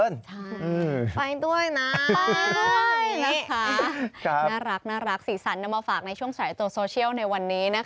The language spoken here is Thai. น่ารักสีสันจะมาฝากในช่วงสายตัวโซเชียลในวันนี้นะคะ